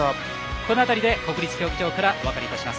この辺りで国立競技場からお別れいたします。